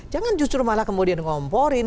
jangan justru malah kemudian ngomporin